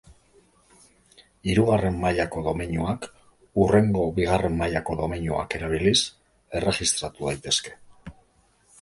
Hirugarren mailako domeinuak hurrengo bigarren mailako domeinuak erabiliz erregistratu daitezke.